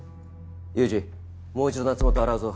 ユージもう一度夏本を洗うぞ。